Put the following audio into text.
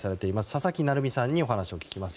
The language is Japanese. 佐々木成三さんにお話を聞きます。